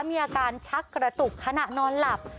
มีอาการชักกระตุกขณะนอนหลับ